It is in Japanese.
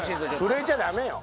震えちゃダメよ。